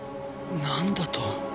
なんだと！？